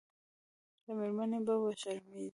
له مېرمنې به وشرمېږي.